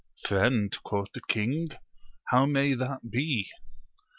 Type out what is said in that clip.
Friend, quoth the king, how may that be?